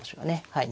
はい。